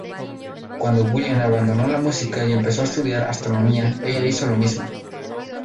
Cuando William abandonó la música y empezó a estudiar astronomía, ella hizo lo mismo.